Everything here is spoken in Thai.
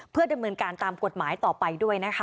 เพื่อดำเนินการตามกฎหมายต่อไปด้วยนะคะ